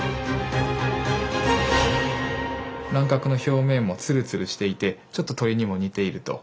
卵殻の表面もツルツルしていてちょっと鳥にも似ていると。